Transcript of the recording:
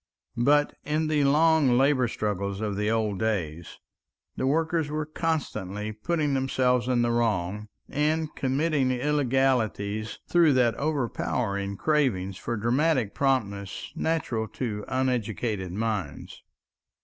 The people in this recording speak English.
But in the long labor struggles of the old days the workers were constantly putting themselves in the wrong and committing illegalities through that overpowering craving for dramatic promptness natural to uneducated minds.